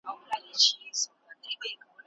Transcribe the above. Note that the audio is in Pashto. د «برکت» آواز دی